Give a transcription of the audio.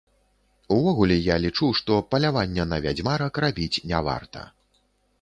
Увогуле я лічу, што палявання на вядзьмарак рабіць не варта.